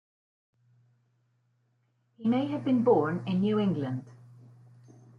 He may have been born in New England.